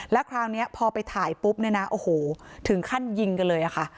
แล้วคราวนี้พอไปถ่ายปุ๊บเนี่ยนะโอ้โหถึงขั้นยิงกันเลยค่ะ